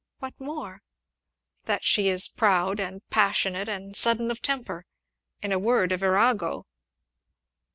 "What more?" "That she is proud, and passionate, and sudden of temper in a word, a virago!"